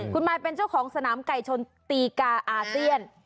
คุณมายเป็นเจ้าของสนามไก่ชนตีกาอาเซียน